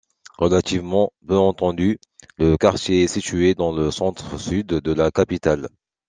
Relativement peu étendu, le quartier est situé dans le centre-sud de la capitale.